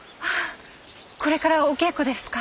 これからお稽古ですか？